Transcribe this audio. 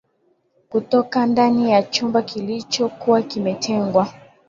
Kutoka ndaniya chumba kilicho kuwa kimetengwa